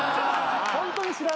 ホントに知らない。